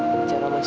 bicara sama sita